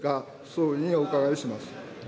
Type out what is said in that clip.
総理にお伺いします。